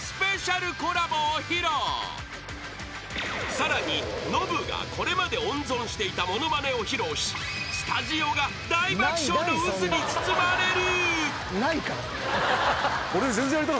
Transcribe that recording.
［さらにノブがこれまで温存していたものまねを披露しスタジオが大爆笑の渦に包まれる］